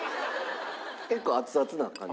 結構熱々な感じ？